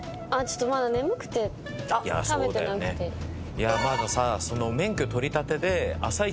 いやあまださ。